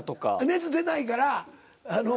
熱出ないからあの。